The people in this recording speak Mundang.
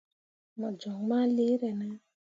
Mo joŋ ma leere ne ?